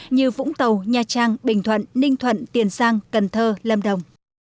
như vũng tàu nha trang bình thuận ninh thuận tiền giang cần thơ lâm đồng